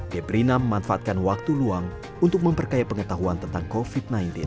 debrina memanfaatkan waktu luang untuk memperkaya pengetahuan tentang covid sembilan belas